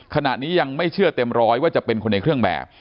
ขณะนี้ยังไม่เชื่อเต็มร้อยว่าจะเป็นคนในเครื่องแบบ